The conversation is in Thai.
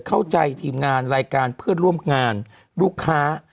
ทีมงานรายการเพื่อนร่วมงานลูกค้า